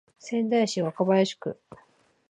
仙台市若林区